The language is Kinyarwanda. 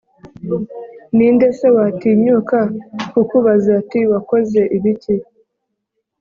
Ni nde se watinyuka kukubaza ati «Wakoze ibiki?»